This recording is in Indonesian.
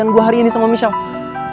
kenapa champion afect belakang lo